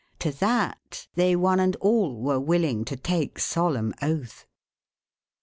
To that they one and all were willing to take solemn oath.